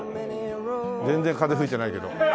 全然風吹いてないけど。